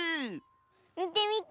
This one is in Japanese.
みてみて。